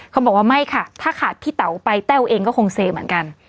เขาบอกว่าไม่ค่ะถ้าขาดพี่เต๋าไปแต้วเองก็คงเซเหมือนกัน